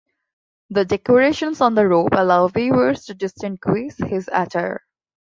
The decorations on the robe allow viewers to distinguish his attire.